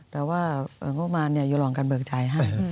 แต่ว่างบมารยูลองการเบิกจ่ายให้